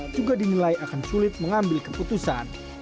juga dinilai akan sulit mengambil keputusan